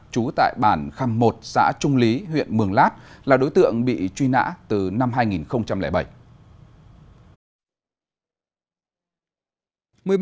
trú tại bản khăm một xã trung lý huyện mường lát là đối tượng bị truy nã từ năm hai nghìn bảy